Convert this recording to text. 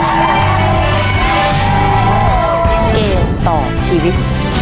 เกมต่อชีวิต